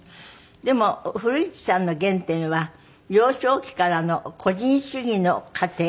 でも古市さんの原点は幼少期からの個人主義の家庭？